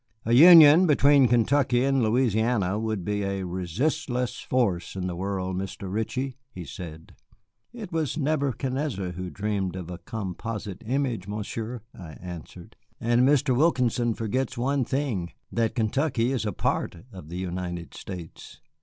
"A union between Kentucky and Louisiana would be a resistless force in the world, Mr. Ritchie," he said. "It was Nebuchadnezzar who dreamed of a composite image, Monsieur," I answered; "and Mr. Wilkinson forgets one thing, that Kentucky is a part of the United States."